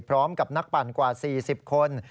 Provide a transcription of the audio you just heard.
พร้อมกับนักปั่นกว่า๔๐คน